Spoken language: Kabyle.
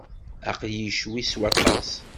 Aql-iyi ccwi s waṭas.